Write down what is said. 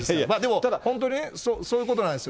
ただ本当にそういうことなんですよ。